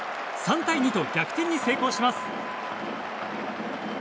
３対２と逆転に成功します。